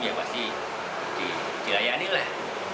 ya pasti dilayani lah